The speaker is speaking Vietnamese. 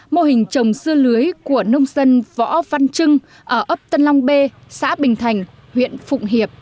mô hình trồng dưa lưới của nông dân võ văn trưng ở ấp tân long b xã bình thành huyện phụng hiệp